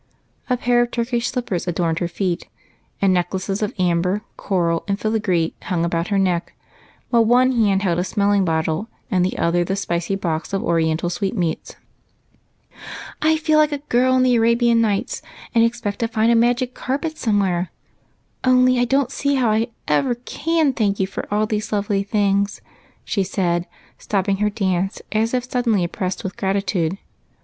A pair of Turkish shppers adorned her feet, and necklaces of amber, coral, and filigree hmig about her neck, while one hand held a smelling bottle, and the other the spicy box of oriental sweetmeats. " I feel like a girl in the ' Arabian Nights,' and ex pect to find a magic carj^et or a wonderful talisman somewhere. Only I don't see how I ever can thank you for all these lovely things," she said, stopping her dance, as if suddenly oppressed with gratitude.